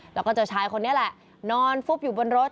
แล้วก็เจอชายคนนี้แหละนอนฟุบอยู่บนรถ